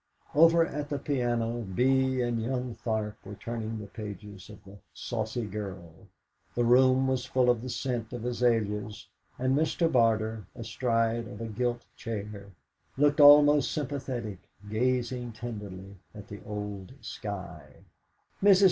Over at the piano Bee and young Tharp were turning the pages of the "Saucy Girl"; the room was full of the scent of azaleas; and Mr. Barter, astride of a gilt chair, looked almost sympathetic, gazing tenderly at the old Skye. Mrs.